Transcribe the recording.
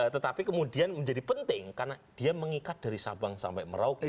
tetapi kemudian menjadi penting karena dia mengikat dari sabang sampai merauke